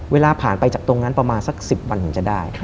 เวลาผ่านไปจากตรงนั้นประมาณสัก๑๐วันถึงจะได้